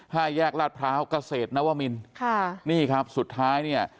ห้าแยกราชพระพระเกษตรนวมินนี่ครับสุดท้ายเนี่ย